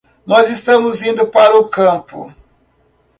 Nós estamos indo para o campo